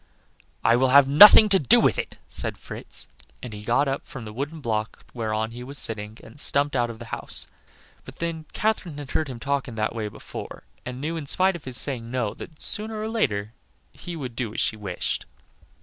"I will have nothing to do with it!" said Fritz, and he got up from the wooden block whereon he was sitting and stumped out of the house. But, then, Katherine had heard him talk in that way before, and knew, in spite of his saying "no," that, sooner or later, he would do as she wished.